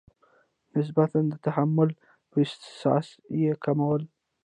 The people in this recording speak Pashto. نسبتا د تحمل په اساس یې کمول.